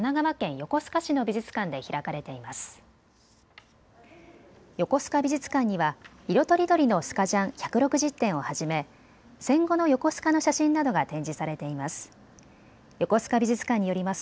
横須賀美術館には色とりどりのスカジャン、１６０点をはじめ戦後の横須賀の写真などが展示されています。